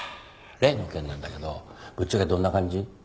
例の件なんだけどぶっちゃけどんな感じ？